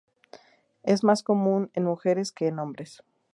Es más común en mujeres que en hombres.